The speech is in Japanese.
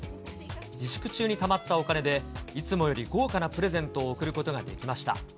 自粛中にたまったお金で、いつもより豪華なプレゼントを贈ることができました。